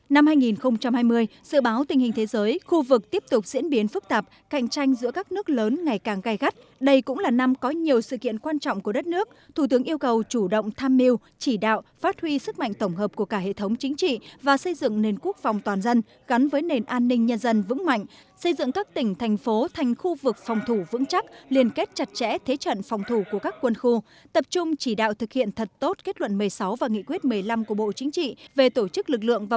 năm hai nghìn hai mươi dự báo tình hình thế giới khu vực tiếp tục diễn biến phức tạp cạnh tranh giữa các nước lớn ngày càng gai gắt đây cũng là năm có nhiều sự kiện quan trọng của đất nước thủ tướng yêu cầu chủ động tham mưu chỉ đạo phát huy sức mạnh tổng hợp của cả hệ thống chính trị và xây dựng nền quốc phòng toàn dân gắn với nền an ninh nhân dân vững mạnh xây dựng các tỉnh thành phố thành khu vực phòng thủ vững chắc liên kết chặt chẽ thế trận phòng thủ của các quân khu tập trung chỉ đạo thực hiện thật tốt kết luận một mươi sáu và nghị quyết một mươi năm của